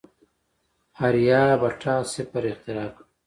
آریابهټا صفر اختراع کړ.